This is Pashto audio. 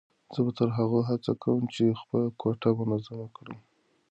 زه به تر هغو هڅه کوم چې خپله کوټه منظمه کړم.